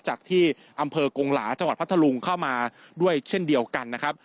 จากที่อำเภอกงหลาจังหวัดพัทธลุงเข้ามาด้วยเช่นเดียวกันนะครับ